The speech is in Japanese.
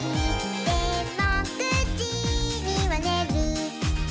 「でも９じにはねる」